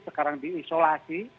sekarang di isolasi